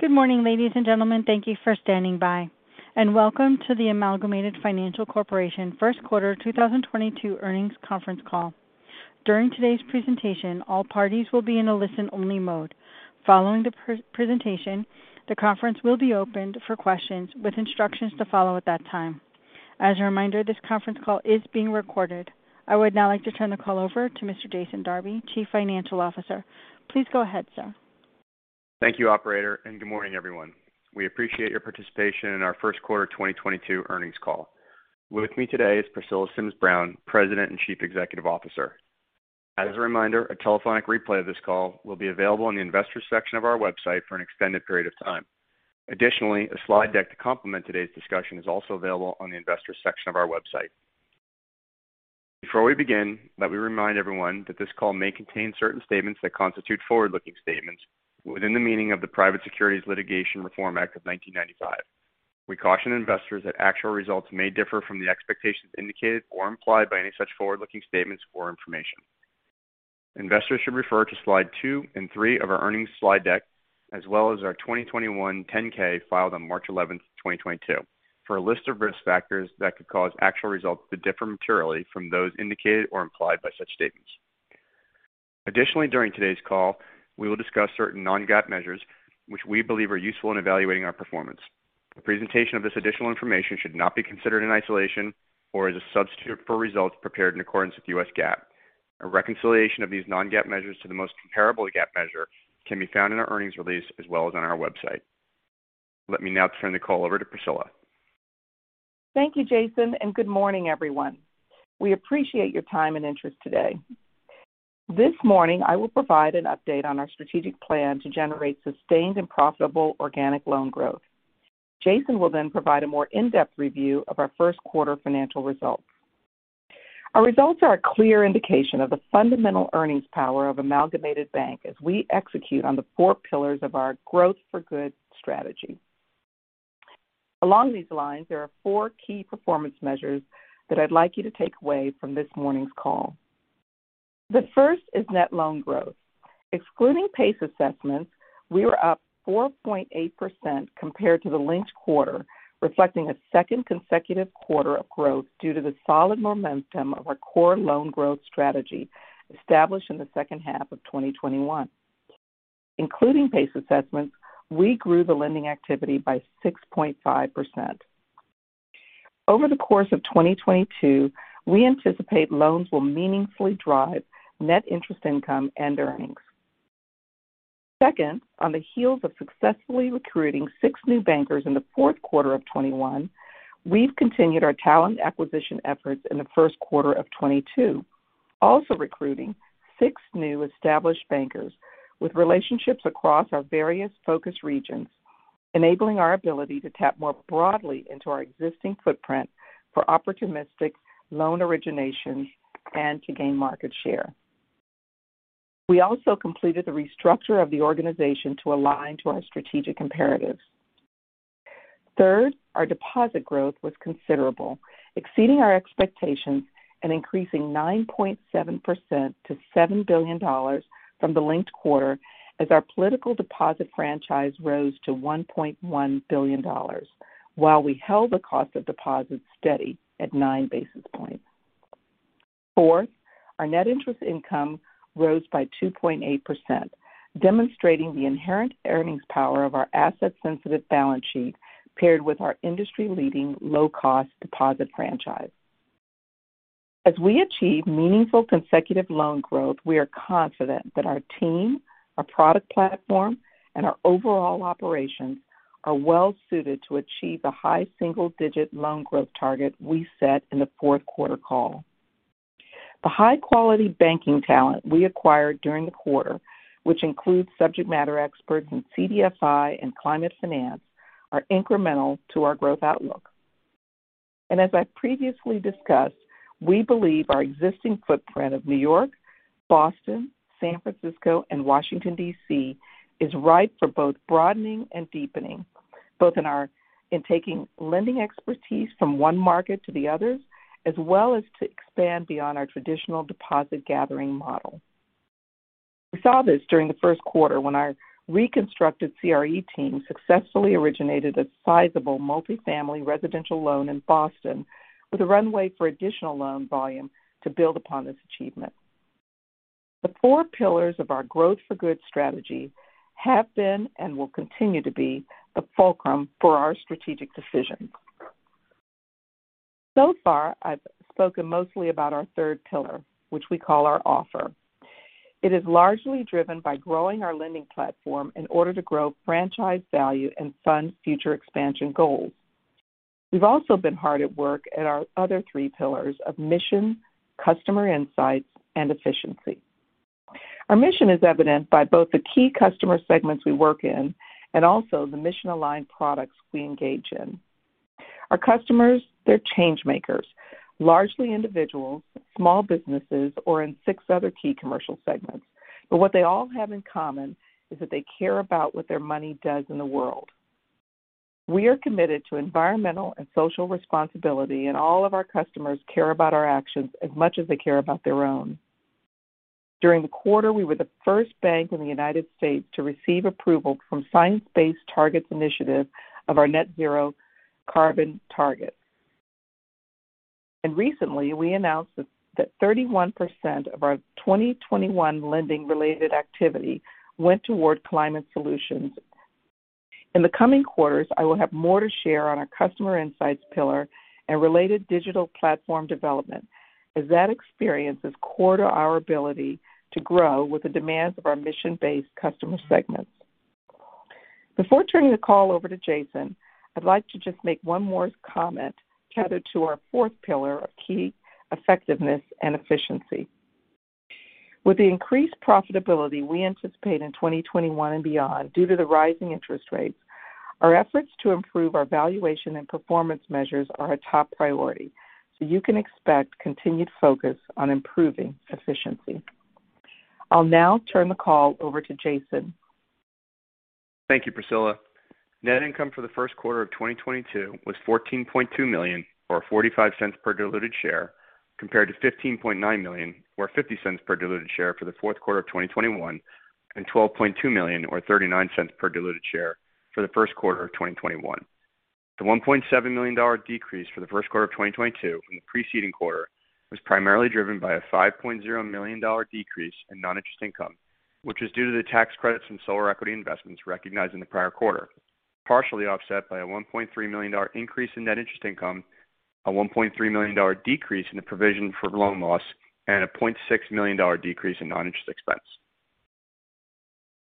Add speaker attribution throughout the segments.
Speaker 1: Good morning, ladies and gentlemen. Thank you for standing by and welcome to the Amalgamated Financial Corp. first quarter 2022 earnings conference call. During today's presentation, all parties will be in a listen-only mode. Following the pre-presentation, the conference will be opened for questions with instructions to follow at that time. As a reminder, this conference call is being recorded. I would now like to turn the call over to Mr. Jason Darby, Chief Financial Officer. Please go ahead, sir.
Speaker 2: Thank you operator, and good morning, everyone. We appreciate your participation in our first quarter 2022 earnings call. With me today is Priscilla Sims Brown, President and Chief Executive Officer. As a reminder, a telephonic replay of this call will be available in the Investors section of our website for an extended period of time. Additionally, a slide deck to complement today's discussion is also available on the Investors section of our website. Before we begin, let me remind everyone that this call may contain certain statements that constitute forward-looking statements within the meaning of the Private Securities Litigation Reform Act of 1995. We caution investors that actual results may differ from the expectations indicated or implied by any such forward-looking statements or information. Investors should refer to slide two and three of our earnings slide deck as well as our 2021 10-K filed on March 11th, 2022 for a list of risk factors that could cause actual results to differ materially from those indicated or implied by such statements. Additionally, during today's call, we will discuss certain non-GAAP measures which we believe are useful in evaluating our performance. The presentation of this additional information should not be considered in isolation or as a substitute for results prepared in accordance with U.S. GAAP. A reconciliation of these non-GAAP measures to the most comparable GAAP measure can be found in our earnings release as well as on our website. Let me now turn the call over to Priscilla.
Speaker 3: Thank you Jason, and good morning, everyone. We appreciate your time and interest today. This morning, I will provide an update on our strategic plan to generate sustained and profitable organic loan growth. Jason will then provide a more in-depth review of our first quarter financial results. Our results are a clear indication of the fundamental earnings power of Amalgamated Bank as we execute on the four pillars of our growth for good strategy. Along these lines, there are four key performance measures that I'd like you to take away from this morning's call. The first is net loan growth. Excluding PACE assessments, we were up 4.8% compared to the linked quarter, reflecting a second consecutive quarter of growth due to the solid momentum of our core loan growth strategy established in the second half of 2021. Including PACE assessments, we grew the lending activity by 6.5%. Over the course of 2022, we anticipate loans will meaningfully drive net interest income and earnings. Second, on the heels of successfully recruiting six new bankers in the fourth quarter of 2021, we've continued our talent acquisition efforts in the first quarter of 2022, also recruiting six new established bankers with relationships across our various focus regions, enabling our ability to tap more broadly into our existing footprint for opportunistic loan originations and to gain market share. We also completed the restructure of the organization to align to our strategic imperatives. Third, our deposit growth was considerable, exceeding our expectations and increasing 9.7% to $7 billion from the linked quarter as our political deposit franchise rose to $1.1 billion while we held the cost of deposits steady at 9 basis points. Fourth, our net interest income rose by 2.8%, demonstrating the inherent earnings power of our asset-sensitive balance sheet paired with our industry-leading low-cost deposit franchise. As we achieve meaningful consecutive loan growth, we are confident that our team, our product platform, and our overall operations are well suited to achieve the high single-digit loan growth target we set in the fourth quarter call. The high-quality banking talent we acquired during the quarter, which includes subject matter experts in CDFI and climate finance, are incremental to our growth outlook. As I previously discussed, we believe our existing footprint of New York, Boston, San Francisco, and Washington D.C. is ripe for both broadening and deepening, in taking lending expertise from one market to the others, as well as to expand beyond our traditional deposit gathering model. We saw this during the first quarter when our reconstructed CRE team successfully originated a sizable multifamily residential loan in Boston with a runway for additional loan volume to build upon this achievement. The four pillars of our growth for good strategy have been and will continue to be the fulcrum for our strategic decisions. So far, I've spoken mostly about our third pillar, which we call our offer. It is largely driven by growing our lending platform in order to grow franchise value and fund future expansion goals. We've also been hard at work at our other three pillars of mission, customer insights, and efficiency. Our mission is evident by both the key customer segments we work in and also the mission-aligned products we engage in. Our customers, they're change makers, largely individuals, small businesses, or in six other key commercial segments. But what they all have in common is that they care about what their money does in the world. We are committed to environmental and social responsibility, and all of our customers care about our actions as much as they care about their own. During the quarter, we were the first bank in the United States to receive approval from Science Based Targets Initiative of our net zero carbon targets. Recently, we announced that 31% of our 2021 lending related activity went toward climate solutions. In the coming quarters, I will have more to share on our customer insights pillar and related digital platform development, as that experience is core to our ability to grow with the demands of our mission-based customer segments. Before turning the call over to Jason, I'd like to just make one more comment centered on our fourth pillar of key effectiveness and efficiency. With the increased profitability we anticipate in 2021 and beyond due to the rising interest rates, our efforts to improve our valuation and performance measures are a top priority. You can expect continued focus on improving efficiency. I'll now turn the call over to Jason.
Speaker 2: Thank you, Priscilla. Net income for the first quarter of 2022 was $14.2 million, or $0.45 per diluted share, compared to $15.9 million or $0.50 per diluted share for the fourth quarter of 2021, and $12.2 million or $0.39 per diluted share for the first quarter of 2021. The $1.7 million decrease for the first quarter of 2022 from the preceding quarter was primarily driven by a $5.0 million decrease in non-interest income which is due to the tax credits from solar equity investments recognized in the prior quarter, partially offset by a $1.3 million increase in net interest income, a $1.3 million decrease in the provision for loan loss, and a $0.6 million decrease in non-interest expense.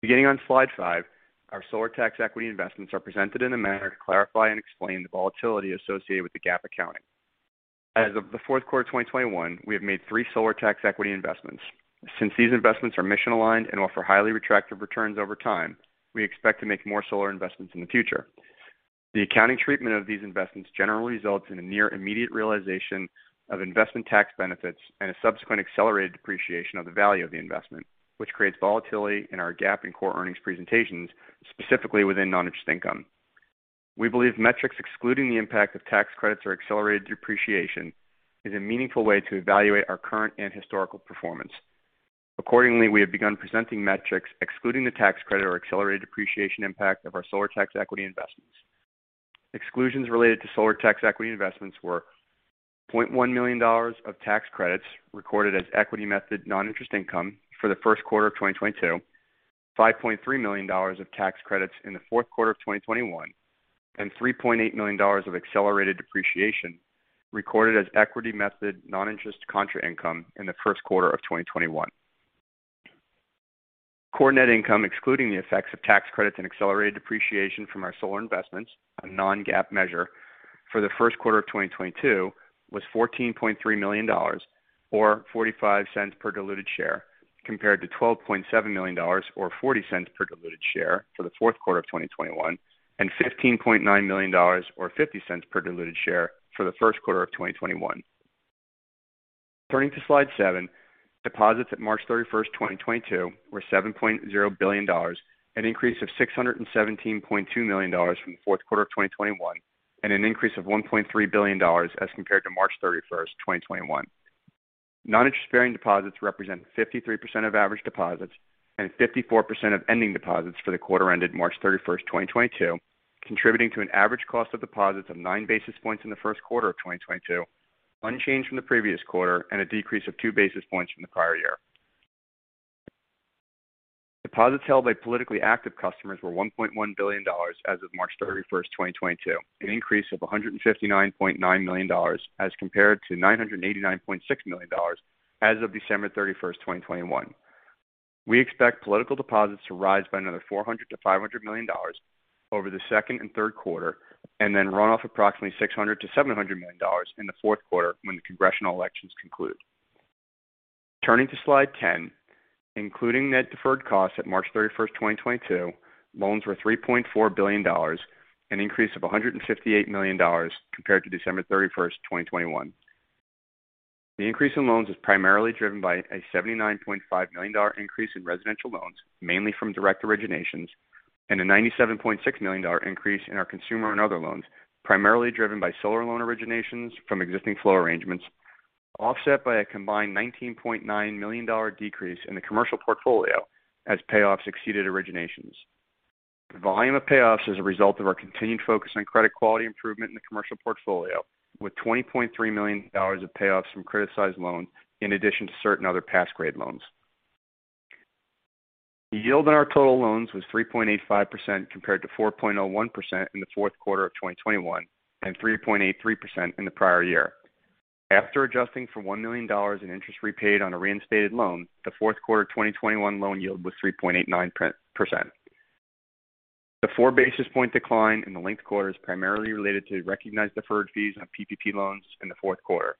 Speaker 2: Beginning on slide five, our solar tax equity investments are presented in a manner to clarify and explain the volatility associated with the GAAP accounting. As of the fourth quarter of 2021, we have made three solar tax equity investments. Since these investments are mission-aligned and offer highly attractive returns over time, we expect to make more solar investments in the future. The accounting treatment of these investments generally results in a near immediate realization of investment tax benefits and a subsequent accelerated depreciation of the value of the investment, which creates volatility in our GAAP and core earnings presentations, specifically within non-interest income. We believe metrics excluding the impact of tax credits or accelerated depreciation is a meaningful way to evaluate our current and historical performance. Accordingly, we have begun presenting metrics excluding the tax credit or accelerated depreciation impact of our solar tax equity investments. Exclusions related to solar tax equity investments were $0.1 million of tax credits recorded as equity method non-interest income for the first quarter of 2022, $5.3 million of tax credits in the fourth quarter of 2021, and $3.8 million of accelerated depreciation recorded as equity method non-interest contra income in the first quarter of 2021. Core net income excluding the effects of tax credits and accelerated depreciation from our solar investments, a non-GAAP measure for the first quarter of 2022 was $14.3 million or $0.45 per diluted share, compared to $12.7 million or $0.40 per diluted share for the fourth quarter of 2021, and $15.9 million or $0.50 per diluted share for the first quarter of 2021. Turning to slide seven, deposits at March 31st, 2022 were $7.0 billion, an increase of $617.2 million from the fourth quarter of 2021, and an increase of $1.3 billion as compared to March 31st, 2021. Non-interest-bearing deposits represent 53% of average deposits and 54% of ending deposits for the quarter ended March 31st, 2022, contributing to an average cost of deposits of nine basis points in the first quarter of 2022, unchanged from the previous quarter, and a decrease of two basis points from the prior year. Deposits held by politically active customers were $1.1 billion as of March 31st, 2022, an increase of $159.9 million as compared to $989.6 million as of December 31st, 2021. We expect political deposits to rise by another $400 million-$500 million over the second and third quarter, and then run off approximately $600 million-$700 million in the fourth quarter when the congressional elections conclude. Turning to slide 10. Including net deferred costs at March 31st, 2022, loans were $3.4 billion, an increase of $158 million compared to December 31st, 2021. The increase in loans is primarily driven by a $79.5 million increase in residential loans, mainly from direct originations, and a $97.6 million increase in our consumer and other loans, primarily driven by solar loan originations from existing flow arrangements, offset by a combined $19.9 million decrease in the commercial portfolio as payoffs exceeded originations. The volume of payoffs is a result of our continued focus on credit quality improvement in the commercial portfolio with $20.3 million of payoffs from criticized loans in addition to certain other pass-grade loans. The yield on our total loans was 3.85% compared to 4.01% in the fourth quarter of 2021 and 3.83% in the prior year. After adjusting for $1 million in interest repaid on a reinstated loan, the fourth quarter of 2021 loan yield was 3.89%. The 4 basis point decline in the linked quarter is primarily related to recognized deferred fees on PPP loans in the fourth quarter.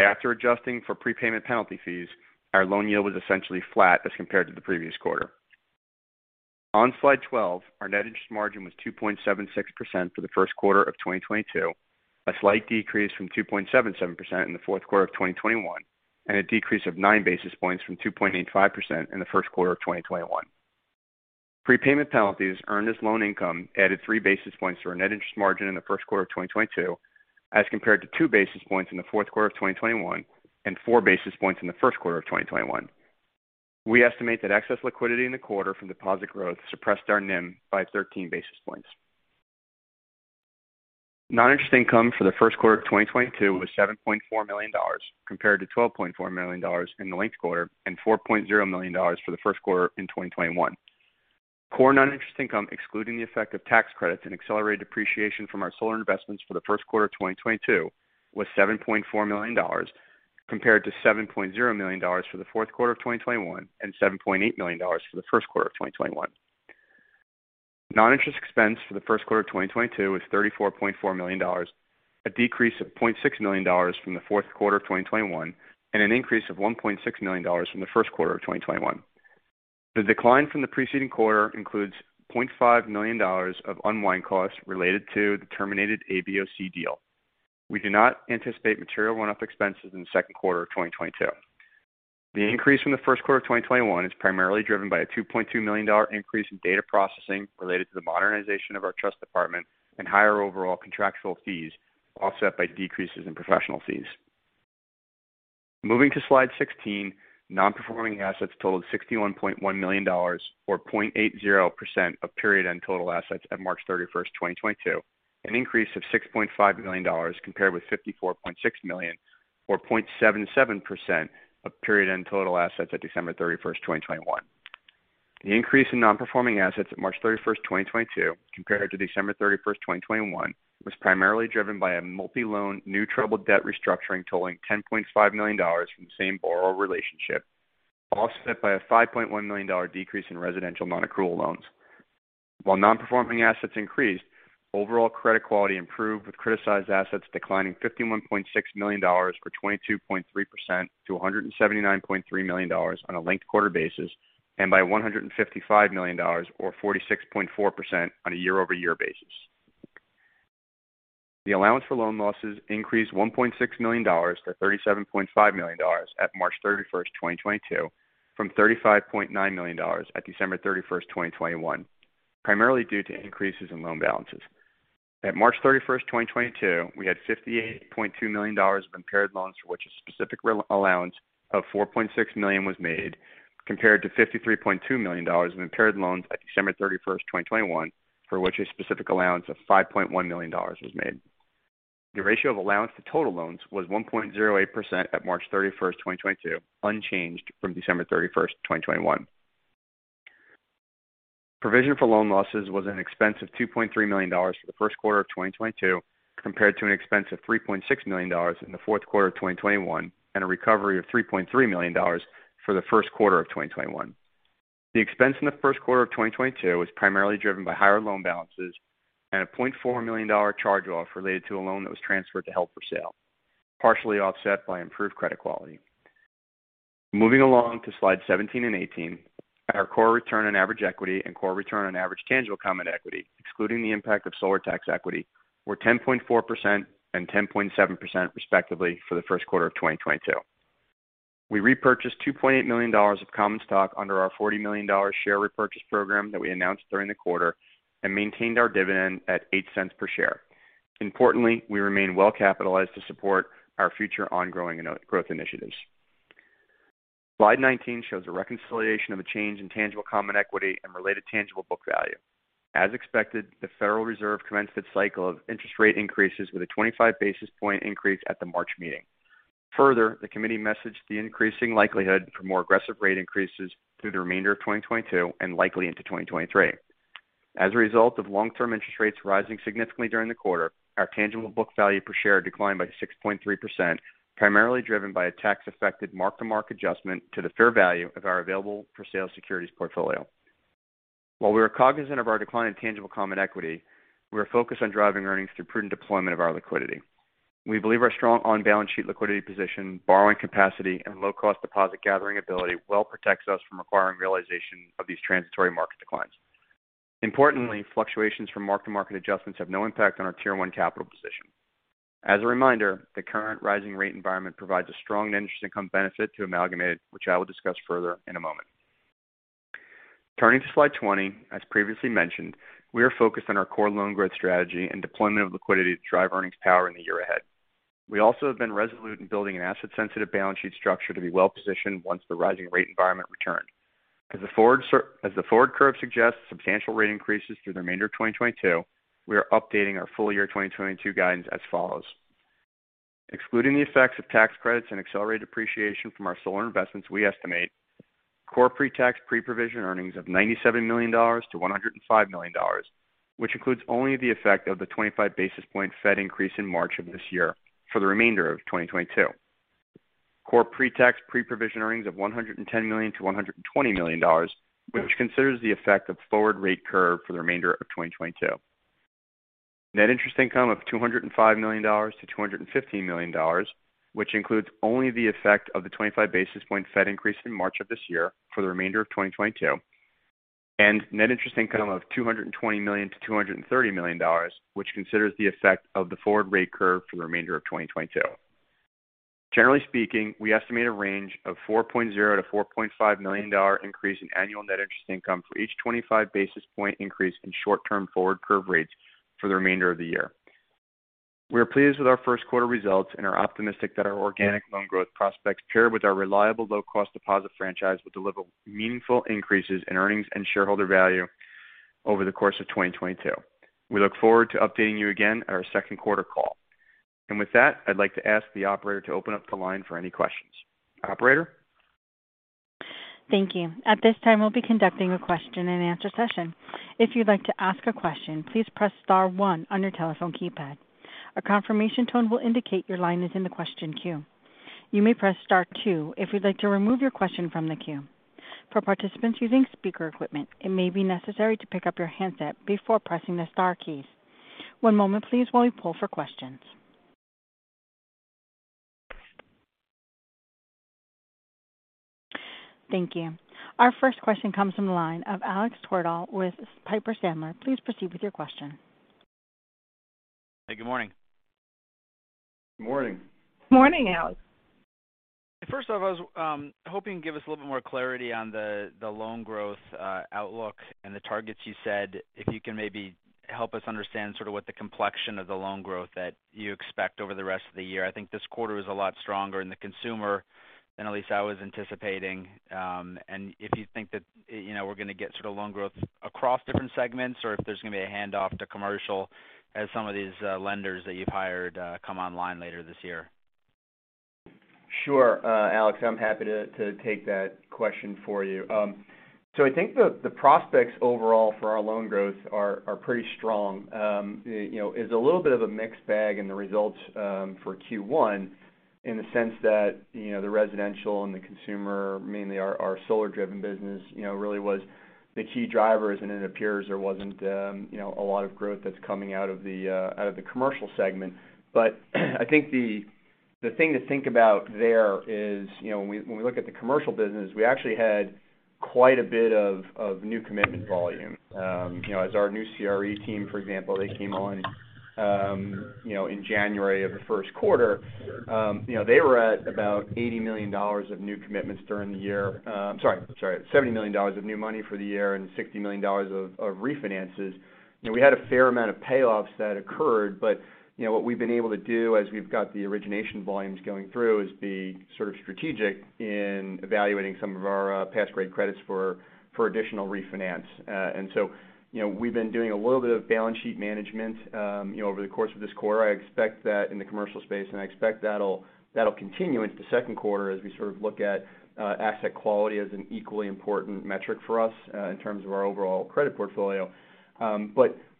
Speaker 2: After adjusting for prepayment penalty fees, our loan yield was essentially flat as compared to the previous quarter. On slide 12, our net interest margin was 2.76% for the first quarter of 2022, a slight decrease from 2.77% in the fourth quarter of 2021, and a decrease of 9 basis points from 2.85% in the first quarter of 2021. Prepayment penalties earned as loan income added 3 basis points to our net interest margin in the first quarter of 2022, as compared to 2 basis points in the fourth quarter of 2021 and 4 basis points in the first quarter of 2021. We estimate that excess liquidity in the quarter from deposit growth suppressed our NIM by 13 basis points. Non-interest income for the first quarter of 2022 was $7.4 million compared to $12.4 million in the linked quarter and $4.0 million for the first quarter in 2021. Core non-interest income, excluding the effect of tax credits and accelerated depreciation from our solar investments for the first quarter of 2022 was $7.4 million, compared to $7.0 million for the fourth quarter of 2021 and $7.8 million for the first quarter of 2021. Non-interest expense for the first quarter of 2022 was $34.4 million, a decrease of $0.6 million from the fourth quarter of 2021 and an increase of $1.6 million from the first quarter of 2021. The decline from the preceding quarter includes $0.5 million of unwind costs related to the terminated ABOC deal. We do not anticipate material one-off expenses in the second quarter of 2022. The increase from the first quarter of 2021 is primarily driven by a $2.2 million increase in data processing related to the modernization of our trust department and higher overall contractual fees, offset by decreases in professional fees. Moving to slide 16, non-performing assets totaled $61.1 million or 0.80% of period-end total assets at March 31st, 2022, an increase of $6.5 million compared with $54.6 million or 0.77% of period-end total assets at December 31st, 2021. The increase in non-performing assets at March 31st, 2022 compared to December 31st, 2021 was primarily driven by a multi-loan new troubled debt restructuring totaling $10.5 million from the same borrower relationship, offset by a $5.1 million decrease in residential non-accrual loans. While non-performing assets increased, overall credit quality improved, with criticized assets declining $51.6 million or 22.3% to $179.3 million on a linked quarter basis and by $155 million or 46.4% on a year-over-year basis. The allowance for loan losses increased $1.6 million to $37.5 million at March 31st, 2022 from $35.9 million at December 31st, 2021, primarily due to increases in loan balances. At March 31st, 2022, we had $58.2 million of impaired loans for which a specific allowance of $4.6 million was made, compared to $53.2 million of impaired loans at December 31st, 2021, for which a specific allowance of $5.1 million was made. The ratio of allowance to total loans was 1.08% at March 31st, 2022, unchanged from December 31st, 2021. Provision for loan losses was an expense of $2.3 million for the first quarter of 2022 compared to an expense of $3.6 million in the fourth quarter of 2021 and a recovery of $3.3 million for the first quarter of 2021. The expense in the first quarter of 2022 was primarily driven by higher loan balances and a $0.4 million charge-off related to a loan that was transferred to held for sale, partially offset by improved credit quality. Moving along to slide 17 and 18, our core return on average equity and core return on average tangible common equity, excluding the impact of solar tax equity, were 10.4% and 10.7% respectively for the first quarter of 2022. We repurchased $2.8 million of common stock under our $40 million share repurchase program that we announced during the quarter and maintained our dividend at $0.08 per share. Importantly, we remain well capitalized to support our future ongoing growth initiatives. Slide 19 shows a reconciliation of a change in tangible common equity and related tangible book value. As expected, the Federal Reserve commenced its cycle of interest rate increases with a 25 basis point increase at the March meeting. Further, the committee messaged the increasing likelihood for more aggressive rate increases through the remainder of 2022 and likely into 2023. As a result of long-term interest rates rising significantly during the quarter, our tangible book value per share declined by 6.3%, primarily driven by a tax-affected mark-to-market adjustment to the fair value of our available-for-sale securities portfolio. While we are cognizant of our decline in tangible common equity, we are focused on driving earnings through prudent deployment of our liquidity. We believe our strong on-balance sheet liquidity position, borrowing capacity, and low-cost deposit gathering ability well protects us from requiring realization of these transitory market declines. Importantly, fluctuations from mark-to-market adjustments have no impact on our Tier One capital position. As a reminder, the current rising rate environment provides a strong net interest income benefit to Amalgamated, which I will discuss further in a moment. Turning to slide 20, as previously mentioned, we are focused on our core loan growth strategy and deployment of liquidity to drive earnings power in the year ahead. We also have been resolute in building an asset-sensitive balance sheet structure to be well-positioned once the rising rate environment returned. As the forward curve suggests substantial rate increases through the remainder of 2022, we are updating our full year 2022 guidance as follows. Excluding the effects of tax credits and accelerated depreciation from our solar investments, we estimate core pre-tax, pre-provision earnings of $97 million-$105 million, which includes only the effect of the 25 basis points Fed increase in March of this year for the remainder of 2022. Core pre-tax, pre-provision earnings of $110 million-$120 million, which considers the effect of forward rate curve for the remainder of 2022. Net interest income of $205 million-$250 million, which includes only the effect of the 25 basis points Fed increase in March of this year for the remainder of 2022. Net interest income of $220 million-$230 million, which considers the effect of the forward rate curve for the remainder of 2022. Generally speaking, we estimate a range of $4.0 million-$4.5 million increase in annual net interest income for each 25 basis point increase in short-term forward curve rates for the remainder of the year. We're pleased with our first quarter results and are optimistic that our organic loan growth prospects paired with our reliable low-cost deposit franchise will deliver meaningful increases in earnings and shareholder value over the course of 2022. We look forward to updating you again at our second quarter call. With that, I'd like to ask the operator to open up the line for any questions. Operator?
Speaker 1: Thank you. At this time, we'll be conducting a question-and-answer session. If you'd like to ask a question, please press star one on your telephone keypad. A confirmation tone will indicate your line is in the question queue. You may press star two if you'd like to remove your question from the queue. For participants using speaker equipment, it may be necessary to pick up your handset before pressing the star keys. One moment please while we poll for questions. Thank you. Our first question comes from the line of Alex Twerdahl with Piper Sandler. Please proceed with your question.
Speaker 4: Hey, good morning.
Speaker 2: Morning.
Speaker 3: Morning, Alex.
Speaker 4: First off, I was hoping you can give us a little bit more clarity on the loan growth outlook and the targets you said. If you can maybe help us understand sort of what the complexion of the loan growth that you expect over the rest of the year. I think this quarter was a lot stronger in the consumer than at least I was anticipating. If you think that, you know, we're gonna get sort of loan growth across different segments or if there's gonna be a hand off to commercial as some of these lenders that you've hired come online later this year.
Speaker 2: Sure. Alex I'm happy to take that question for you. So I think the prospects overall for our loan growth are pretty strong. You know, it's a little bit of a mixed bag in the results for Q1 in the sense that you know the residential and the consumer, mainly our solar-driven business you know really was the key drivers. It appears there wasn't you know a lot of growth that's coming out of the commercial segment. I think the thing to think about there is you know when we look at the commercial business we actually had quite a bit of new commitment volume. You know as our new CRE team for example they came on you know in January of the first quarter. You know, they were at about $80 million of new commitments during the year. Sorry, $70 million of new money for the year and $60 million of refinances. You know, we had a fair amount of payoffs that occurred, but you know, what we've been able to do as we've got the origination volumes going through is be sort of strategic in evaluating some of our past grade credits for additional refinance. You know, we've been doing a little bit of balance sheet management, you know, over the course of this quarter. I expect that in the commercial space, and I expect that'll continue into the second quarter as we sort of look at asset quality as an equally important metric for us in terms of our overall credit portfolio.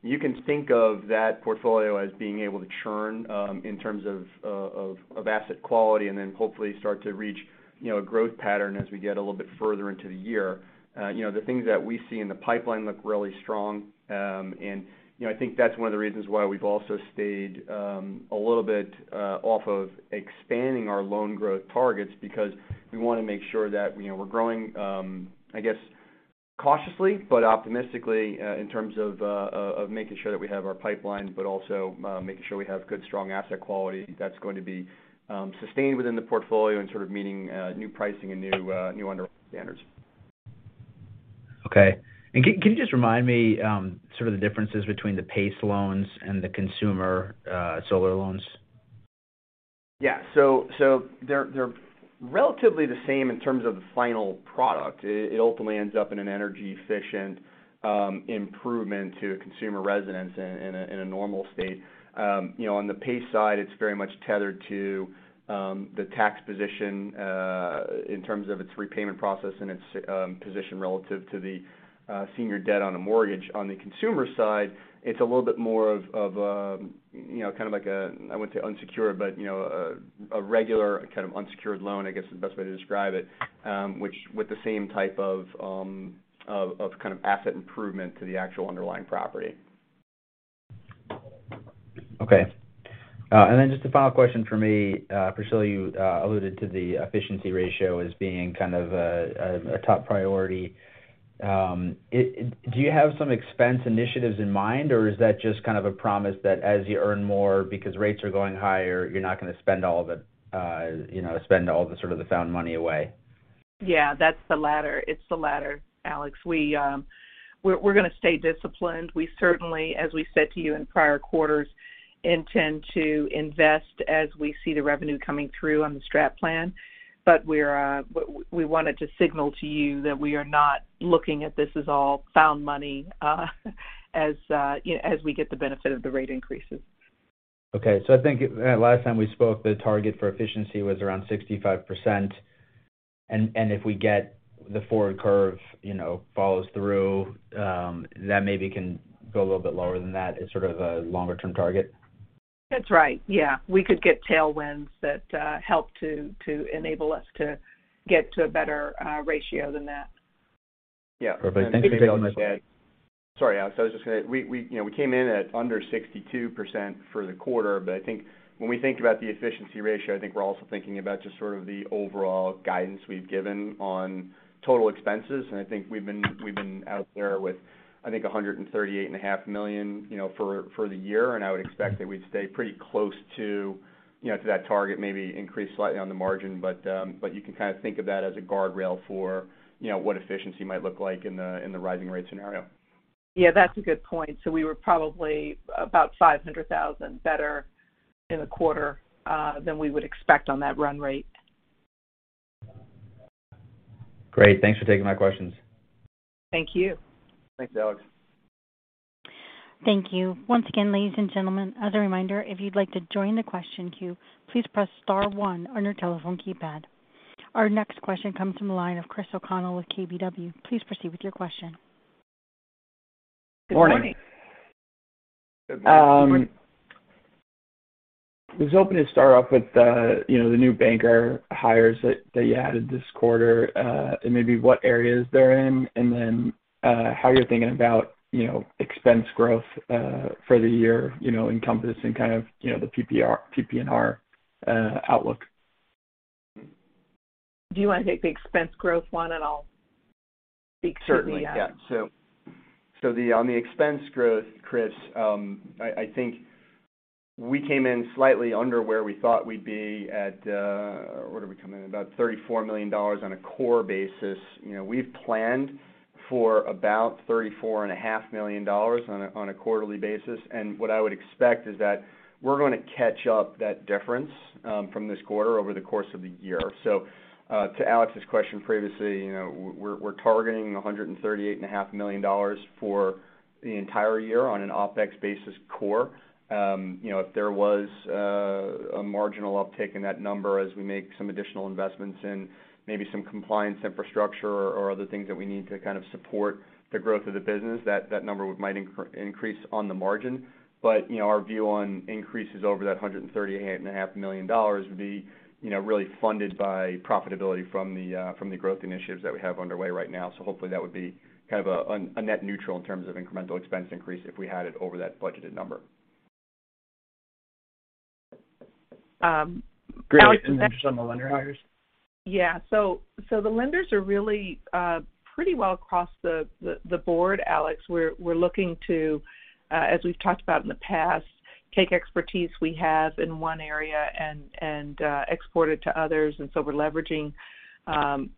Speaker 2: You can think of that portfolio as being able to churn in terms of asset quality and then hopefully start to reach, you know, a growth pattern as we get a little bit further into the year. You know, the things that we see in the pipeline look really strong. You know, I think that's one of the reasons why we've also stayed a little bit off of expanding our loan growth targets because we wanna make sure that, you know, we're growing, I guess cautiously but optimistically, in terms of making sure that we have our pipeline, but also making sure we have good, strong asset quality that's going to be sustained within the portfolio and sort of meeting new pricing and new underwrite standards.
Speaker 4: Okay. Can you just remind me, sort of the differences between the PACE loans and the consumer solar loans?
Speaker 2: Yeah. They're relatively the same in terms of the final product. It ultimately ends up in an energy-efficient improvement to consumer residences in a normal state. You know, on the PACE side, it's very much tethered to the tax position in terms of its repayment process and its position relative to the senior debt on a mortgage. On the consumer side, it's a little bit more of you know, kind of like a. I wouldn't say unsecured, but you know, a regular kind of unsecured loan, I guess is the best way to describe it, which with the same type of kind of asset improvement to the actual underlying property.
Speaker 4: Okay. Just a final question for me. Priscilla, you alluded to the efficiency ratio as being kind of a top priority. Do you have some expense initiatives in mind, or is that just kind of a promise that as you earn more because rates are going higher, you're not gonna spend all the, you know, sort of the found money away?
Speaker 3: Yeah, that's the latter. It's the latter, Alex. We're gonna stay disciplined. We certainly, as we said to you in prior quarters, intend to invest as we see the revenue coming through on the strat plan. We wanted to signal to you that we are not looking at this as all found money, you know, as we get the benefit of the rate increases.
Speaker 4: Okay. I think last time we spoke, the target for efficiency was around 65%. If we get the forward curve, you know, follows through, that maybe can go a little bit lower than that as sort of a longer-term target?
Speaker 3: That's right. Yeah. We could get tailwinds that help to enable us to get to a better ratio than that.
Speaker 2: Yeah.
Speaker 4: Perfect. Thank you for taking all my questions.
Speaker 2: Sorry, Alex, we - you know, we came in at under 62% for the quarter, but I think when we think about the efficiency ratio, I think we're also thinking about just sort of the overall guidance we've given on total expenses. I think we've been out there with, I think, $138.5 million, you know, for the year. I would expect that we'd stay pretty close to, you know, to that target, maybe increase slightly on the margin. You can kind of think of that as a guardrail for, you know, what efficiency might look like in the rising rate scenario.
Speaker 3: Yeah, that's a good point. We were probably about $500,000 better in the quarter than we would expect on that run rate.
Speaker 4: Great. Thanks for taking my questions.
Speaker 3: Thank you.
Speaker 2: Thanks, Alex.
Speaker 1: Thank you. Once again, ladies and gentlemen, as a reminder, if you'd like to join the question queue, please press star one on your telephone keypad. Our next question comes from the line of Chris O'Connell with KBW. Please proceed with your question.
Speaker 5: Good morning.
Speaker 3: Good morning.
Speaker 5: Was hoping to start off with the, you know, the new banker hires that you added this quarter, and maybe what areas they're in, and then how you're thinking about, you know, expense growth for the year, you know, encompassing kind of, you know, the PPNR outlook.
Speaker 3: Do you wanna take the expense growth one, and I'll speak to the.
Speaker 2: Certainly, yeah. On the expense growth, Chris, I think we came in slightly under where we thought we'd be at, where did we come in? About $34 million on a core basis. You know, we've planned for about $34.5 million on a quarterly basis, and what I would expect is that we're gonna catch up that difference from this quarter over the course of the year. To Alex's question previously, you know, we're targeting $138.5 million for the entire year on an OpEx basis core. You know, if there was a marginal uptick in that number as we make some additional investments in maybe some compliance infrastructure or other things that we need to kind of support the growth of the business, that number might increase on the margin. You know, our view on increases over that $138.5 million would be, you know, really funded by profitability from the growth initiatives that we have underway right now. Hopefully, that would be kind of a net neutral in terms of incremental expense increase if we had it over that budgeted number.
Speaker 5: Great.
Speaker 3: Alex, would that.
Speaker 5: Just on the lender hires.
Speaker 3: Yeah. The lenders are really pretty well across the board, Alex. We're looking to, as we've talked about in the past, take expertise we have in one area and export it to others. We're leveraging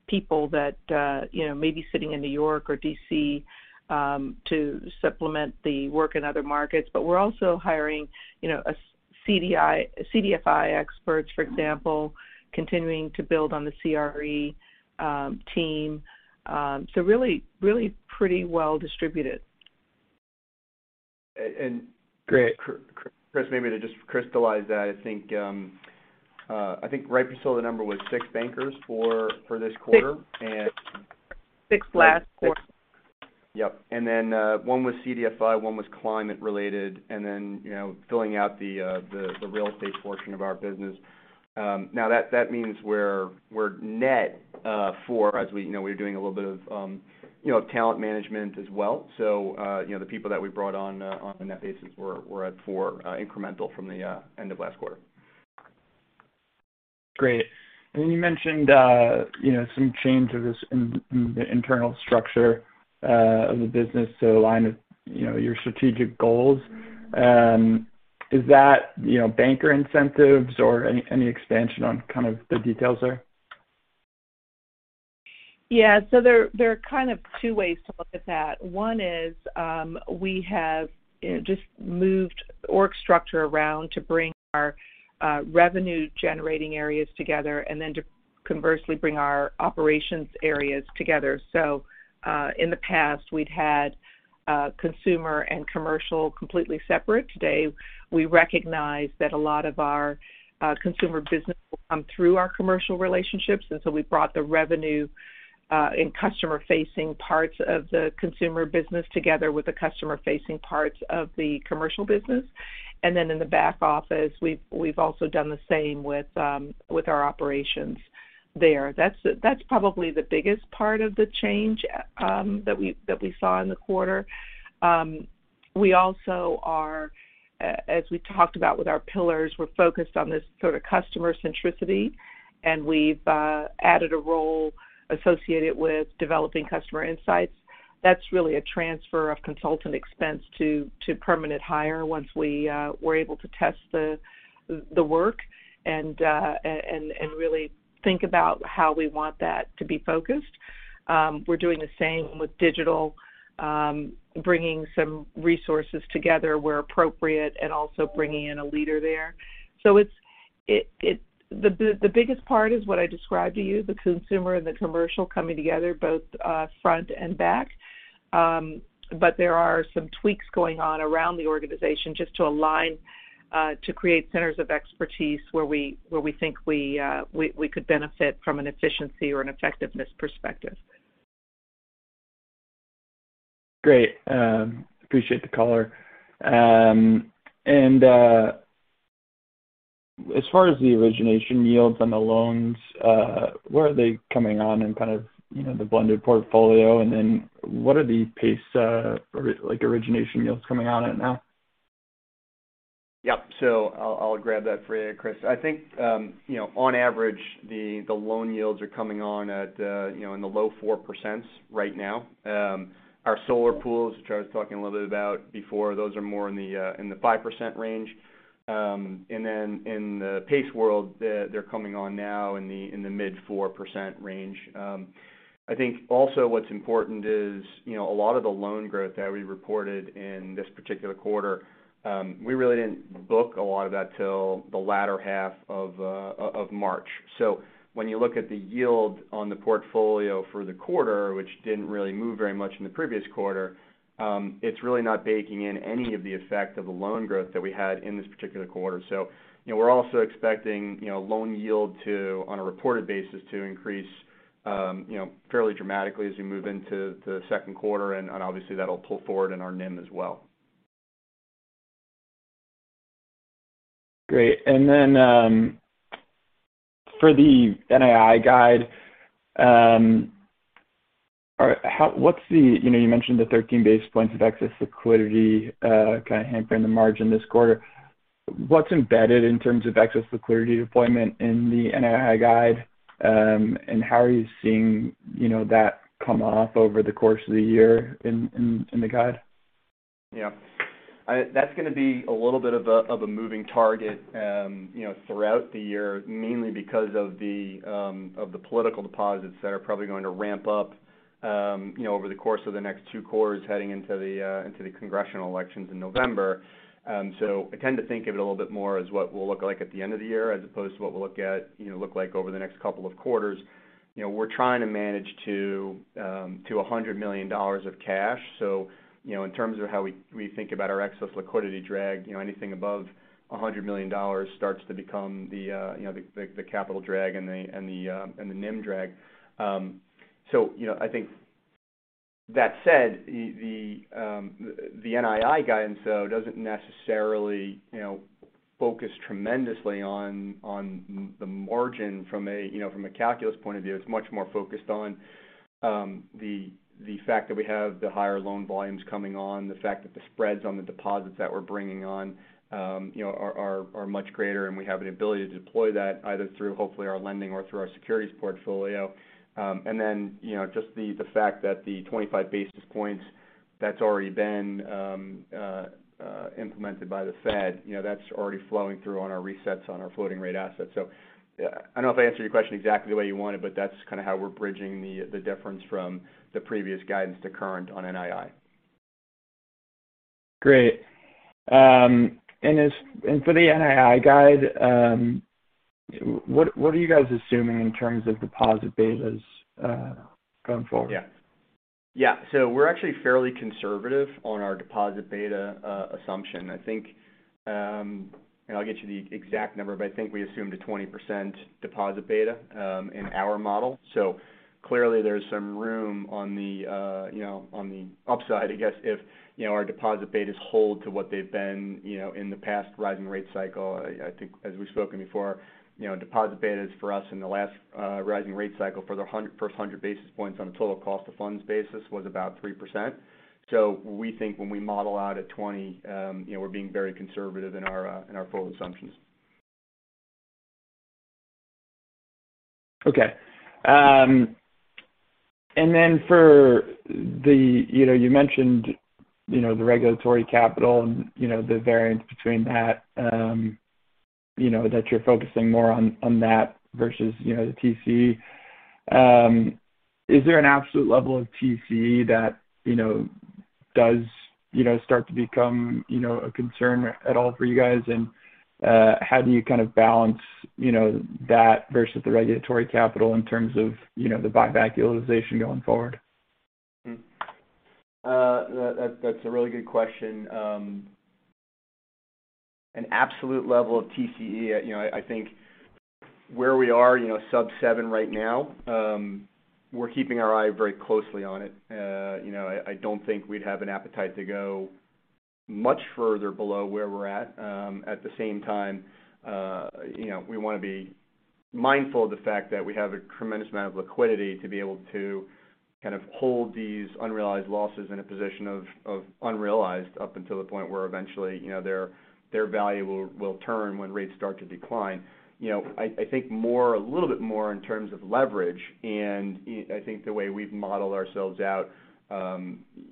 Speaker 3: people that you know may be sitting in New York or D.C. to supplement the work in other markets. We're also hiring you know a CDFI experts, for example, continuing to build on the CRE team. Really pretty well distributed.
Speaker 5: Chris
Speaker 2: Great. Chris, maybe to just crystallize that, I think right before the number was six bankers for this quarter.
Speaker 3: Six. Six Last quarter.
Speaker 2: Yeah. Six Yep. Then one was CDFI, one was climate related, and then, you know, filling out the real estate portion of our business. Now that means we're net four as we, you know, we're doing a little bit of, you know, talent management as well. You know, the people that we brought on in that basis were at four incremental from the end of last quarter.
Speaker 5: Great. You mentioned, you know, some changes in the internal structure of the business to align with, you know, your strategic goals. Is that, you know, banker incentives or any expansion on kind of the details there?
Speaker 3: Yeah. There are kind of two ways to look at that. One is, we have, you know, just moved org structure around to bring our revenue generating areas together and then to conversely bring our operations areas together. In the past, we'd had consumer and commercial completely separate. Today, we recognize that a lot of our consumer business will come through our commercial relationships. We brought the revenue in customer-facing parts of the consumer business together with the customer-facing parts of the commercial business. In the back office, we've also done the same with our operations there. That's probably the biggest part of the change that we saw in the quarter. We also are, as we talked about with our pillars, we're focused on this sort of customer centricity, and we've added a role associated with developing customer insights. That's really a transfer of consultant expense to permanent hire once we're able to test the work and really think about how we want that to be focused. We're doing the same with digital, bringing some resources together where appropriate and also bringing in a leader there. It's the biggest part, what I described to you, the consumer and the commercial coming together both front and back. There are some tweaks going on around the organization just to align to create centers of expertise where we think we could benefit from an efficiency or an effectiveness perspective.
Speaker 5: Great. Appreciate the color. As far as the origination yields on the loans, where are they coming on in kind of, you know, the blended portfolio? What are the pace, or, like, origination yields coming out at now?
Speaker 2: Yep. I'll grab that for you, Chris. I think you know, on average, the loan yields are coming on at, you know, in the low 4% right now. Our solar pools, which I was talking a little bit about before, those are more in the 5% range. Then in the PACE world, they're coming on now in the mid-4% range. I think also what's important is, you know, a lot of the loan growth that we reported in this particular quarter, we really didn't book a lot of that till the latter half of March. When you look at the yield on the portfolio for the quarter, which didn't really move very much in the previous quarter, it's really not baking in any of the effect of the loan growth that we had in this particular quarter. You know, we're also expecting, you know, loan yield to, on a reported basis, to increase, you know, fairly dramatically as we move into the second quarter, and obviously that'll pull forward in our NIM as well.
Speaker 5: Great. For the NII guide, all right, what's the - you know, you mentioned the 13 basis points of excess liquidity, kind of, hampering the margin this quarter. What's embedded in terms of excess liquidity deployment in the NII guide, and how are you seeing, you know, that come off over the course of the year in the guide?
Speaker 2: Yeah. That's gonna be a little bit of a moving target throughout the year, mainly because of the political deposits that are probably going to ramp up over the course of the next two quarters heading into the congressional elections in November. I tend to think of it a little bit more as what we'll look like at the end of the year as opposed to what we'll look like over the next couple of quarters. You know, we're trying to manage to $100 million of cash. You know in terms of how we think about our excess liquidity drag, you know, anything above $100 million starts to become the capital drag and the NIM drag. You know, I think that said, the NII guidance though, doesn't necessarily, you know, focus tremendously on the margin from a, you know, from a calculus point of view. It's much more focused on the fact that we have the higher loan volumes coming on, the fact that the spreads on the deposits that we're bringing on, you know, are much greater, and we have an ability to deploy that either through, hopefully our lending or through our securities portfolio. You know, just the fact that the 25 basis points that's already been implemented by the Fed, you know, that's already flowing through on our resets on our floating rate assets. I don't know if I answered your question exactly the way you wanted, but that's kind of how we're bridging the difference from the previous guidance to current on NII.
Speaker 5: Great. For the NII guide, what are you guys assuming in terms of deposit betas going forward?
Speaker 2: We're actually fairly conservative on our deposit beta assumption. I think, and I'll get you the exact number, but I think we assumed a 20% deposit beta in our model. Clearly there's some room on the, you know, on the upside, I guess if, you know, our deposit betas hold to what they've been, you know, in the past rising rate cycle. I think as we've spoken before, you know, deposit betas for us in the last rising rate cycle for the first 100 basis points on a total cost to funds basis was about 3%. We think when we model out at 20%, you know, we're being very conservative in our full assumptions.
Speaker 5: Okay. You know, you mentioned, you know, the regulatory capital and you know, the variance between that, you know, that you're focusing more on that versus, you know, the TCE. Is there an absolute level of TCE that, you know, does, you know, start to become, you know, a concern at all for you guys? How do you kind of balance, you know, that versus the regulatory capital in terms of, you know, the buyback utilization going forward?
Speaker 2: That's a really good question. An absolute level of TCE, you know, I think where we are, you know, sub 7% right now, we're keeping our eye very closely on it. You know, I don't think we'd have an appetite to go much further below where we're at. At the same time, you know, we wanna be mindful of the fact that we have a tremendous amount of liquidity to be able to kind of hold these unrealized losses in a position of unrealized up until the point where eventually, you know, their value will turn when rates start to decline. You know, I think a little bit more in terms of leverage, and I think the way we've modeled ourselves out,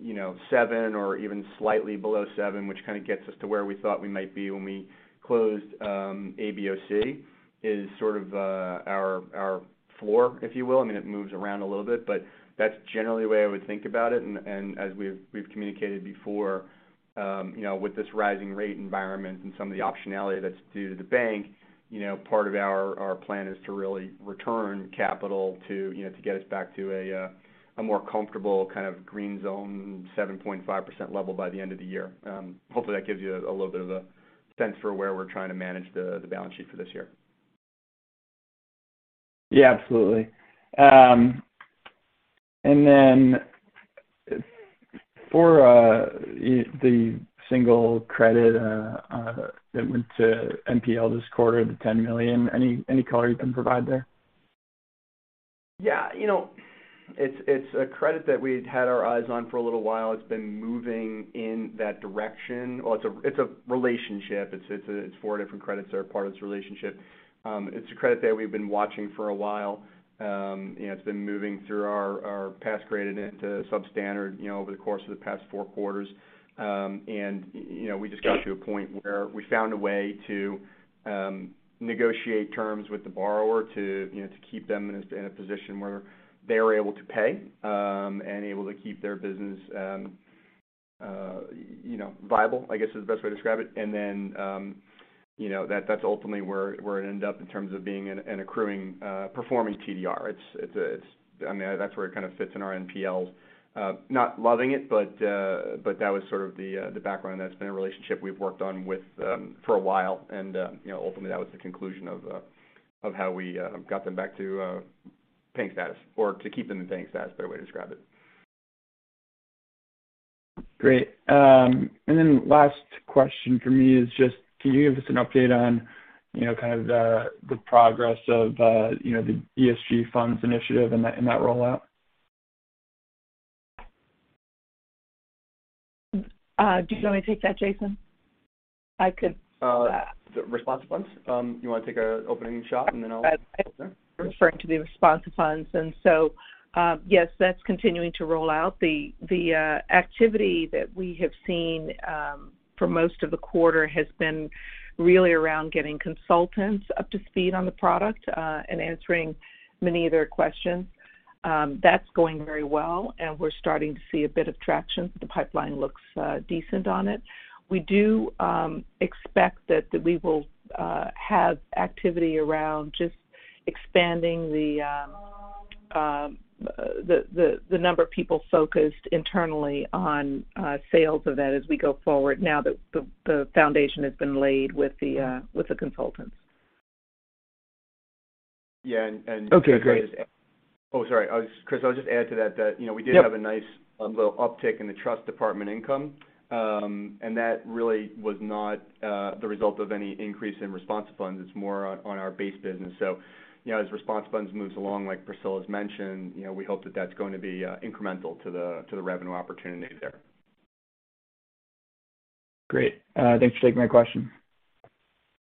Speaker 2: you know, 7% or even slightly below 7%, which kind of gets us to where we thought we might be when we closed ABOC, is sort of our floor, if you will. I mean it moves around a little bit, but that's generally the way I would think about it. As we've communicated before, you know, with this rising rate environment and some of the optionality that's due to the bank, you know, part of our plan is to really return capital to get us back to a more comfortable kind of green zone, 7.5% level by the end of the year. Hopefully, that gives you a little bit of a sense for where we're trying to manage the balance sheet for this year.
Speaker 5: Yeah, absolutely. For the single credit that went to NPL this quarter, the $10 million, any color you can provide there?
Speaker 2: Yeah. You know, it's a credit that we'd had our eyes on for a little while. It's been moving in that direction. Well, it's a relationship. It's four different credits that are part of this relationship. It's a credit that we've been watching for a while. You know, it's been moving through our past-due credit into substandard, you know, over the course of the past four quarters. You know, we just got to a point where we found a way to negotiate terms with the borrower to, you know, to keep them in a position where they were able to pay and able to keep their business, you know, viable, I guess is the best way to describe it. You know, that's ultimately where it ended up in terms of being an accruing, performing TDR. I mean, that's where it kind of fits in our NPL. Not loving it, but that was sort of the background. That's been a relationship we've worked on with for a while. You know, ultimately, that was the conclusion of how we got them back to paying status or to keep them in paying status, better way to describe it.
Speaker 5: Great. Last question from me is just can you give us an update on, you know, kind of the progress of, you know, the ESG funds initiative and that rollout?
Speaker 3: Do you want me to take that, Jason?
Speaker 2: The responsible funds. You want to take an opening shot, and then I'll jump in.
Speaker 3: Referring to the responsible funds. Yes, that's continuing to roll out. The activity that we have seen for most of the quarter has been really around getting consultants up to speed on the product and answering many of their questions. That's going very well, and we're starting to see a bit of traction. The pipeline looks decent on it. We do expect that we will have activity around just expanding the number of people focused internally on sales of that as we go forward now that the foundation has been laid with the consultants.
Speaker 2: Yeah.
Speaker 5: Okay, great.
Speaker 2: Oh, sorry. Chris I'll just add to that, you know, we did have a nice little uptick in the trust department income. That really was not the result of any increase in responsible funds. It's more on our base business. You know, as responsible funds moves along, like Priscilla's mentioned, you know, we hope that that's going to be incremental to the revenue opportunity there.
Speaker 5: Great. Thanks for taking my question.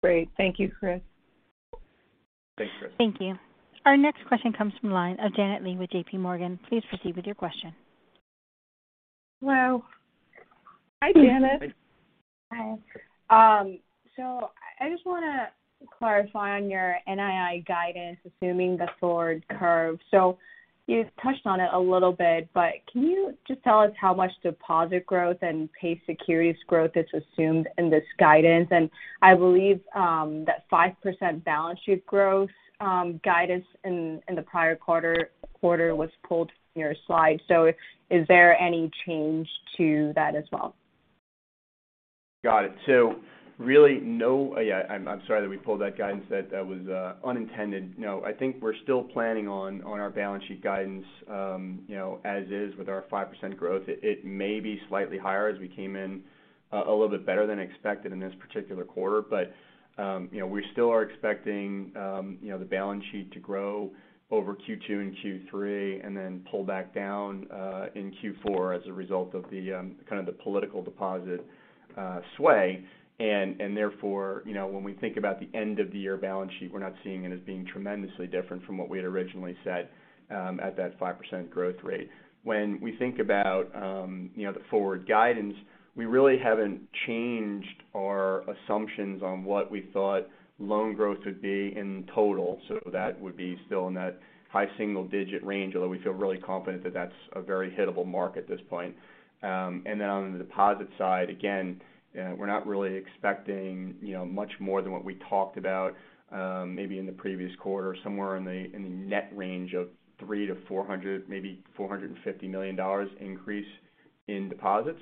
Speaker 3: Great. Thank you, Chris.
Speaker 2: Thanks, Chris.
Speaker 1: Thank you. Our next question comes from line of Janet Lee with JPMorgan. Please proceed with your question.
Speaker 6: Hello.
Speaker 3: Hi, Janet.
Speaker 6: Hi. I just want to clarify on your NII guidance, assuming the forward curve. You touched on it a little bit, but can you just tell us how much deposit growth and PACE securities growth is assumed in this guidance? I believe that 5% balance sheet growth guidance in the prior quarter was pulled from your slide. Is there any change to that as well?
Speaker 2: Yeah. I'm sorry that we pulled that guidance. That was unintended. No, I think we're still planning on our balance sheet guidance, you know, as is with our 5% growth. It may be slightly higher as we came in a little bit better than expected in this particular quarter. You know, we still are expecting you know, the balance sheet to grow over Q2 and Q3 and then pull back down in Q4 as a result of the kind of the political deposit sway. Therefore, you know, when we think about the end of the year balance sheet, we're not seeing it as being tremendously different from what we had originally said at that 5% growth rate. When we think about, you know, the forward guidance, we really haven't changed our assumptions on what we thought loan growth would be in total. That would be still in that high single digit range, although we feel really confident that that's a very hittable mark at this point. Then on the deposit side, again, we're not really expecting, you know, much more than what we talked about, maybe in the previous quarter, somewhere in the net range of $300 million-$400 million, maybe $450 million increase in deposits.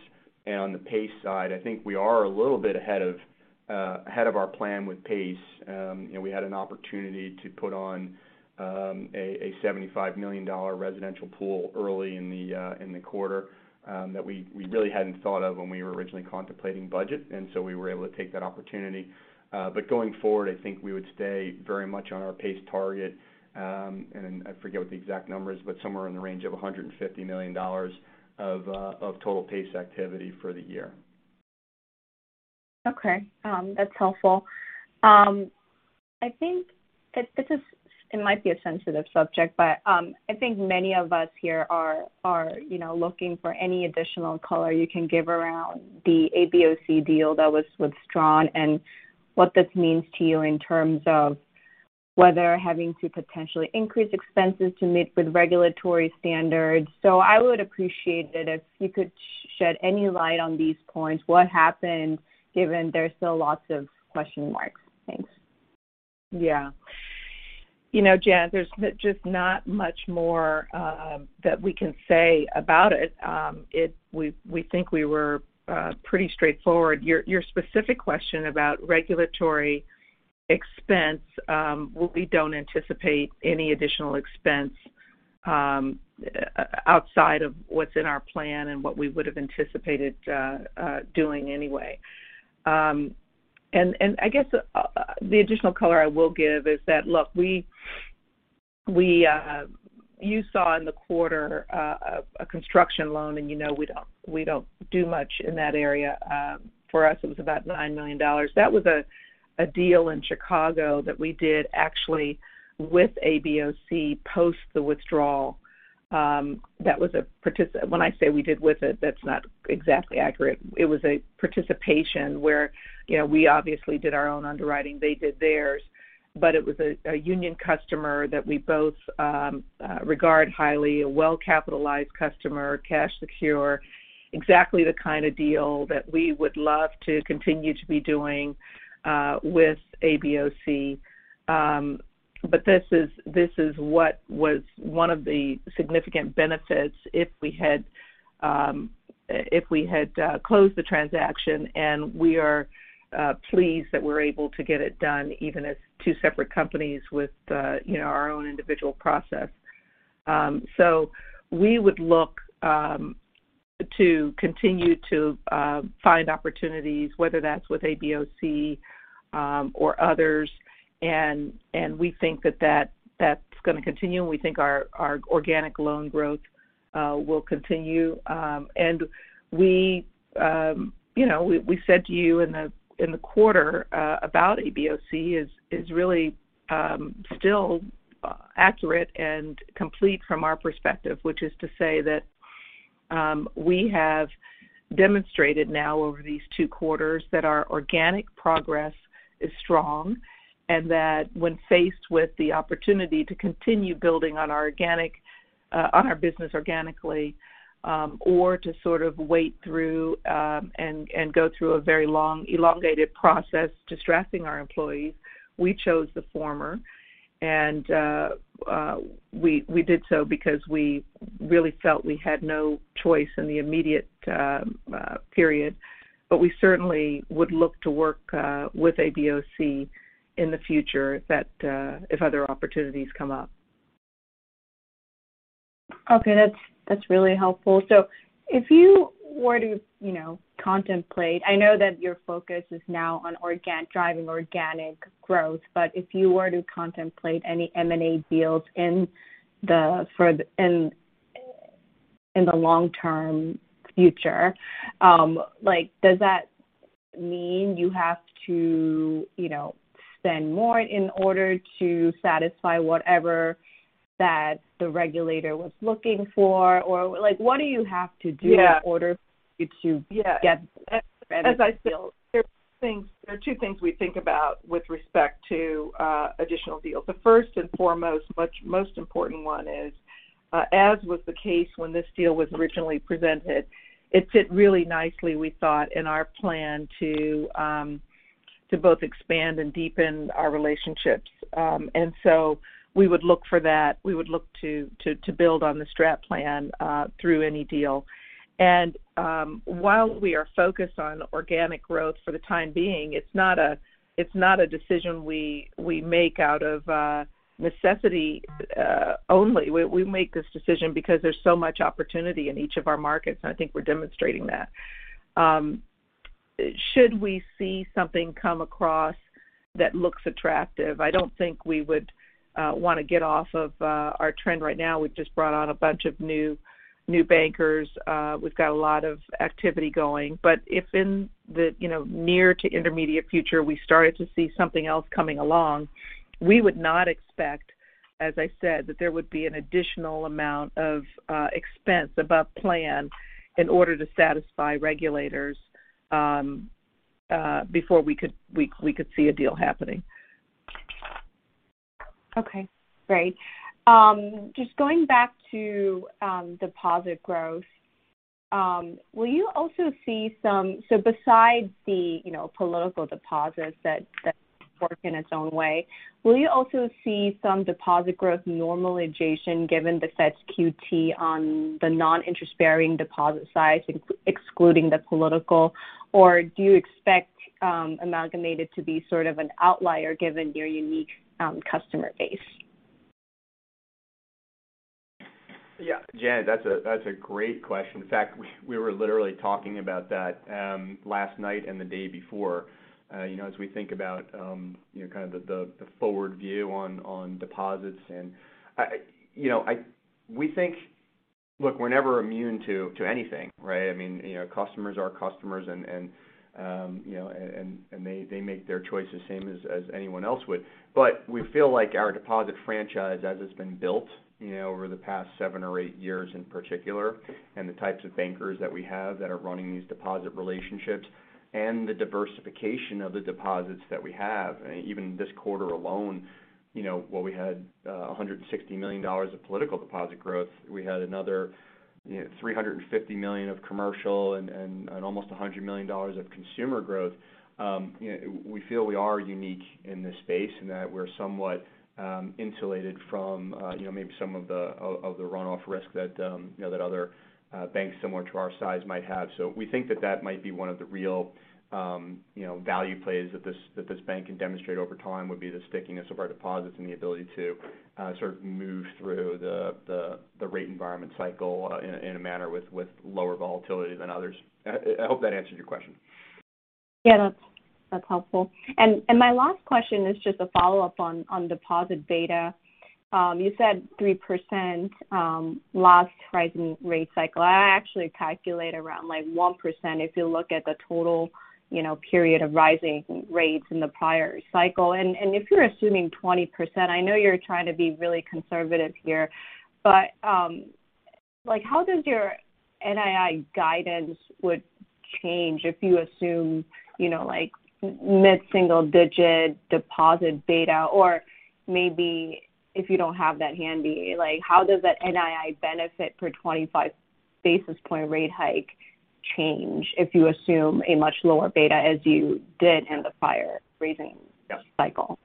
Speaker 2: On the PACE side I think we are a little bit ahead of our plan with PACE. You know, we had an opportunity to put on a $75 million residential pool early in the quarter that we really hadn't thought of when we were originally contemplating budget. We were able to take that opportunity. Going forward, I think we would stay very much on our PACE target. I forget what the exact number is, but somewhere in the range of $150 million of total PACE activity for the year.
Speaker 6: Okay. That's helpful. I think that it might be a sensitive subject, but I think many of us here are, you know, looking for any additional color you can give around the ABOC deal that was withdrawn and what this means to you in terms of whether having to potentially increase expenses to meet with regulatory standards. I would appreciate it if you could shed any light on these points. What happened, given there's still lots of question marks? Thanks.
Speaker 3: Yeah. You know, Janet, there's just not much more that we can say about it. We think we were pretty straightforward. Your specific question about regulatory expense, well, we don't anticipate any additional expense outside of what's in our plan and what we would have anticipated doing anyway. I guess the additional color I will give is that, look, you saw in the quarter a construction loan, and you know we don't do much in that area. For us, it was about $9 million. That was a deal in Chicago that we did actually with ABOC post the withdrawal, when I say we did with it, that's not exactly accurate. It was a participation where, you know, we obviously did our own underwriting, they did theirs, but it was a union customer that we both regard highly, a well-capitalized customer, cash secure. Exactly the kind of deal that we would love to continue to be doing with ABOC. This is what was one of the significant benefits if we had closed the transaction, and we are pleased that we're able to get it done even as two separate companies with, you know, our own individual process. We would look to continue to find opportunities, whether that's with ABOC or others, and we think that that's gonna continue, and we think our organic loan growth will continue. And we, you know, we said to you in the quarter about ABOC is really still accurate and complete from our perspective, which is to say that we have demonstrated now over these two quarters that our organic progress is strong, and that when faced with the opportunity to continue building on our business organically, or to sort of wait through and go through a very long, elongated process distracting our employees, we chose the former. We did so because we really felt we had no choice in the immediate period. We certainly would look to work with ABOC in the future that if other opportunities come up.
Speaker 6: Okay. That's really helpful. If you were to, you know, contemplate, I know that your focus is now on driving organic growth. If you were to contemplate any M&A deals in the long-term future, like, does that mean you have to, you know, spend more in order to satisfy whatever that the regulator was looking for? Or like, what do you have to do in order to get that benefit still?
Speaker 3: As I said, there are two things we think about with respect to additional deals. The first and foremost, most important one is, as was the case when this deal was originally presented, it fit really nicely, we thought, in our plan to both expand and deepen our relationships. We would look for that. We would look to build on the strategic plan through any deal. While we are focused on organic growth for the time being, it's not a decision we make out of necessity only. We make this decision because there's so much opportunity in each of our markets, and I think we're demonstrating that. Should we see something come across that looks attractive, I don't think we would wanna get off of our trend right now. We've just brought on a bunch of new bankers. We've got a lot of activity going. If in the, you know, near to intermediate future, we started to see something else coming along, we would not expect, as I said, that there would be an additional amount of expense above plan in order to satisfy regulators, before we could see a deal happening.
Speaker 6: Okay. Great. Just going back to deposit growth, will you also see some. Besides the, you know, political deposits that work in its own way, will you also see some deposit growth normalization given the Fed's QT on the non-interest-bearing deposit size, excluding the political? Or do you expect Amalgamated to be sort of an outlier given your unique customer base?
Speaker 2: Yeah. Janet, that's a great question. In fact, we were literally talking about that last night and the day before, you know, as we think about, you know, kind of the forward view on deposits. You know, look, we're never immune to anything, right? I mean, you know, customers are customers and you know, they make their choices same as anyone else would. We feel like our deposit franchise as it's been built, you know, over the past seven or eight years in particular, and the types of bankers that we have that are running these deposit relationships and the diversification of the deposits that we have, even this quarter alone, you know, while we had $160 million of political deposit growth, we had another, you know, $350 million of commercial and almost $100 million of consumer growth. You know, we feel we are unique in this space, in that we're somewhat insulated from, you know, maybe some of the runoff risk that, you know, that other banks similar to our size might have. We think that might be one of the real, you know, value plays that this bank can demonstrate over time, would be the stickiness of our deposits and the ability to sort of move through the rate environment cycle, in a manner with lower volatility than others. I hope that answered your question.
Speaker 6: Yeah, that's helpful. My last question is just a follow-up on deposit beta. You said 3%, last rising rate cycle. I actually calculate around like 1% if you look at the total, you know, period of rising rates in the prior cycle. If you're assuming 20%, I know you're trying to be really conservative here, but like how does your NII guidance would change if you assume, you know, like mid-single digit deposit beta or maybe if you don't have that handy, like how does that NII benefit per 25 basis point rate hike change if you assume a much lower beta as you did in the prior rising cycle?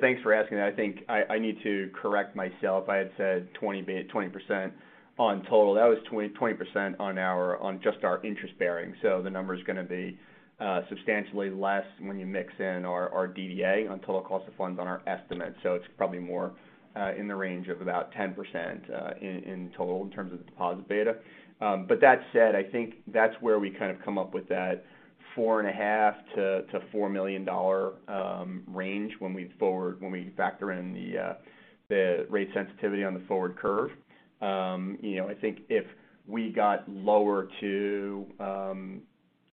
Speaker 2: Thanks for asking that. I think I need to correct myself. I had said 20% on total. That was 20% on just our interest bearing. The number's gonna be substantially less when you mix in our DDA on total cost of funds on our estimate. It's probably more in the range of about 10% in total in terms of deposit beta. But that said, I think that's where we kind of come up with that $4.5 million-$4 million range when we factor in the rate sensitivity on the forward curve. You know, I think if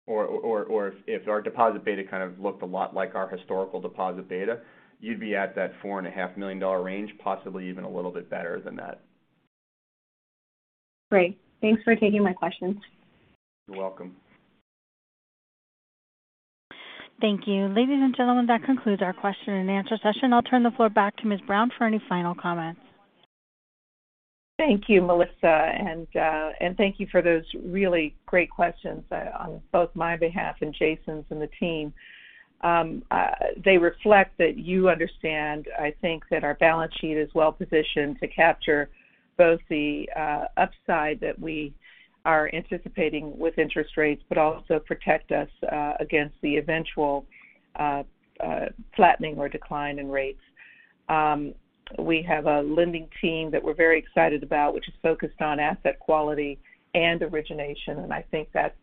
Speaker 2: our deposit beta kind of looked a lot like our historical deposit beta, you'd be at that $4.5 million range, possibly even a little bit better than that.
Speaker 6: Great. Thanks for taking my questions.
Speaker 2: You're welcome.
Speaker 1: Thank you. Ladies and gentlemen, that concludes our question and answer session. I'll turn the floor back to Ms. Brown for any final comments.
Speaker 3: Thank you Melissa and thank you for those really great questions on both my behalf and Jason's and the team. They reflect that you understand, I think, that our balance sheet is well-positioned to capture both the upside that we are anticipating with interest rates but also protect us against the eventual flattening or decline in rates. We have a lending team that we're very excited about, which is focused on asset quality and origination, and I think that's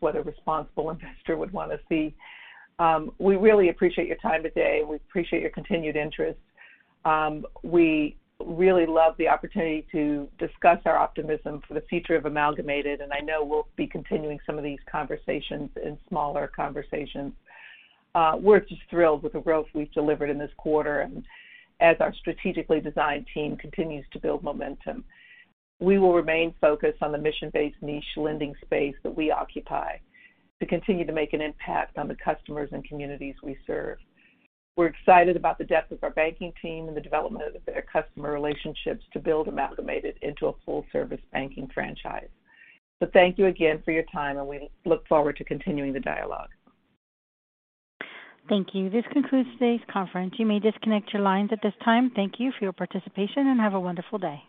Speaker 3: what a responsible investor would wanna see. We really appreciate your time today. We appreciate your continued interest. We really love the opportunity to discuss our optimism for the future of Amalgamated, and I know we'll be continuing some of these conversations in smaller conversations. We're just thrilled with the growth we've delivered in this quarter and as our strategically designed team continues to build momentum. We will remain focused on the mission-based niche lending space that we occupy to continue to make an impact on the customers and communities we serve. We're excited about the depth of our banking team and the development of their customer relationships to build Amalgamated into a full-service banking franchise. Thank you again for your time, and we look forward to continuing the dialogue.
Speaker 1: Thank you. This concludes today's conference. You may disconnect your lines at this time. Thank you for your participation and have a wonderful day.